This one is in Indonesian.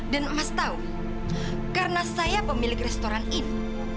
dan emas tahu karena saya pemilik restoran ini